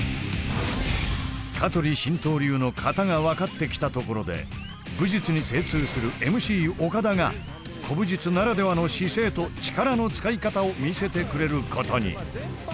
香取神道流の型が分かってきたところで武術に精通するＭＣ岡田が古武術ならではの姿勢と力の使い方を見せてくれることに。